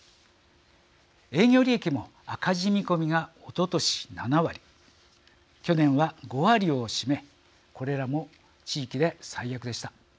営業利益も赤字見込みがおととし７割去年は５割を占めこれらも地域で最悪でした。